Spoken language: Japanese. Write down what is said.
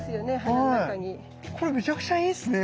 これめちゃくちゃいいっすね。